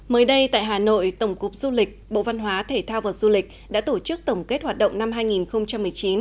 mới đây tại hà nội tổng cục du lịch bộ văn hóa thể thao và du lịch đã tổ chức tổng kết hoạt động năm hai nghìn một mươi chín